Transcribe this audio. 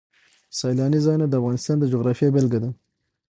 سیلانی ځایونه د افغانستان د جغرافیې بېلګه ده.